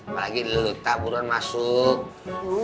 apalagi lu letak buruan masuk